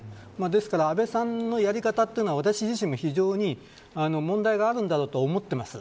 ですから安倍さんのやり方というのは私自身も非常に問題があるんだろうと思っています。